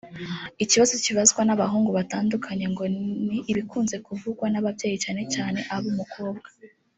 Ikibazo kibazwa n’abahungu batandukanye ngo ni ibikunze kuvugwa n’ababyeyi cyane cyane ab’umukobwa